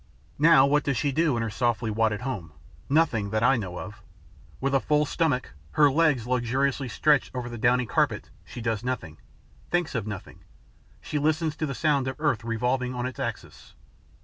Now what does she do in her softly wadded home? Nothing, that I know of. With a full stomach, her legs luxuriously stretched over the downy carpet, she does nothing, thinks of nothing; she listens to the sound of earth revolving on its axis.